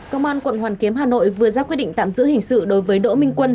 công an quận hoàn kiếm hà nội vừa ra quyết định tạm giữ hình sự đối với đỗ minh quân